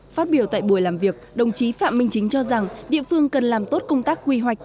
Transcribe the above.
phát biểu tại buổi làm việc đồng chí phạm minh chính cho rằng địa phương cần làm tốt công tác quy hoạch